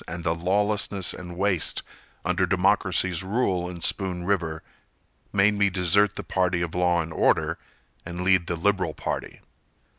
And the lawlessness and waste Under democracy's rule in Spoon River Made me desert the party of law and order And lead the liberal party.